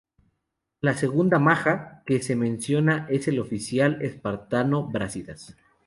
La segunda "maja" que se menciona es el oficial espartano Brásidas.